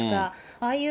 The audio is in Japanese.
ああいう、